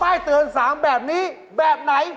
ป้ายเตือนสามแบบนี้แบบไหน